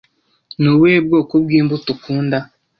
Ni ubuhe bwoko bw'imbuto ukunda